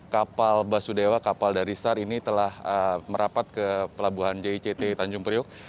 kapal basudewa kapal dari sar ini telah merapat ke pelabuhan jict tanjung priok